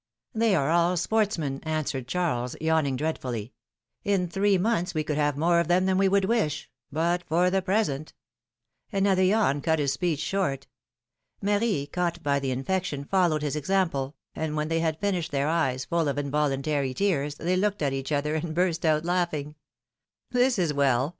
They are all sportsmen," answered Charles, yawning dreadfully. ^^In three months we could have more of them than we would wish ; but for the present —" Another yawn cut his speech short. Marie, caught by the infection, followed his example, and when they had finished, their eyes full of involuntary tears, they looked at each other, and burst out laughing. ^^This is Vvell!